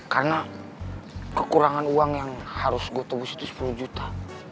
karena kekurangan uang yang harus gua tebus itu sepuluh juta